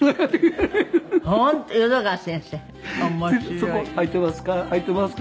「そこ空いていますか？」